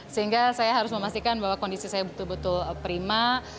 sehingga saya harus memastikan bahwa kondisi saya betul betul prima